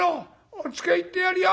おっつけ行ってやるよ。